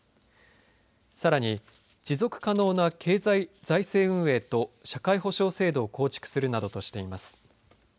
さらに持続可能な財政運営と社会保障制度を構築するなどとしています。